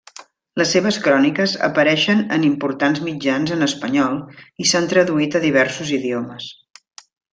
Les seves cròniques apareixen en importants mitjans en espanyol i s'han traduït a diversos idiomes.